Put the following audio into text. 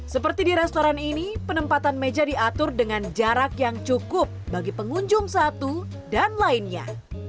seperti di restoran ini penempatan meja diatur dengan jarak yang cukup bagi pengunjung satu dan lainnya